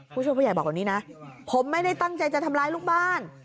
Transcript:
ผู้ช่วยผู้ใหญ่บอกแบบนี้นะผมไม่ได้ตั้งใจจะทำร้ายลูกบ้าน